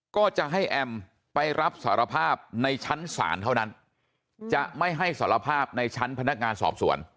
ก็จะให้แอมไปรับสารภาพในชั้นศาลเท่านั้นจะไม่ให้สารภาพในชั้นพนักงานสอบสวน